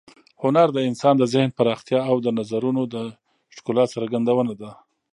هنر د انسان د ذهن پراختیا او د نظرونو د ښکلا څرګندونه ده.